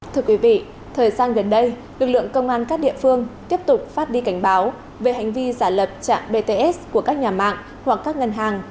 thưa quý vị thời gian gần đây lực lượng công an các địa phương tiếp tục phát đi cảnh báo về hành vi giả lập trạm bts của các nhà mạng hoặc các ngân hàng